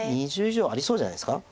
２０以上はありそうじゃないですか。